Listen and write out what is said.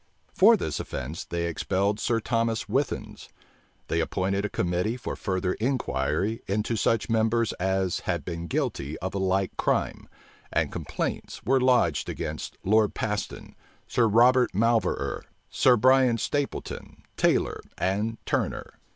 For this offence they expelled Sir Thomas Withens. They appointed a committee for further inquiry into such members as had been guilty of a like crime, and complaints were lodged against Lord Paston, Sir Robert Malverer, Sir Bryan Stapleton, Taylor, and Turner.